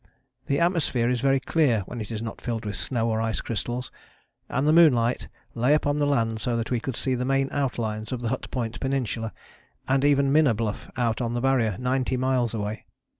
The atmosphere is very clear when it is not filled with snow or ice crystals, and the moonlight lay upon the land so that we could see the main outlines of the Hut Point Peninsula, and even Minna Bluff out on the Barrier ninety miles away.